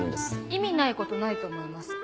意味ないことないと思います。